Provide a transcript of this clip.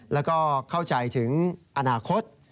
แล้วก็เข้าใจถึงอนาคต